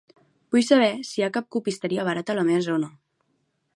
Vull saber si hi ha cap copisteria barata a la meva zona.